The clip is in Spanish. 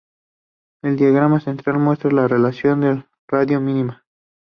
El diagrama central muestra la relación de radio mínima.